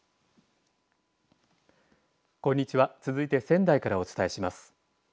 こんにちは続いて仙台からお伝えします。